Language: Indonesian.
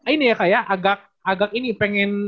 ini ya kayak agak ini pengen